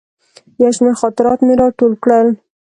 یو شمېر خاطرات مې راټول کړل.